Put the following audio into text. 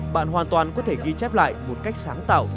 bạn hoàn toàn có thể ghi chép lại một cách sáng tạo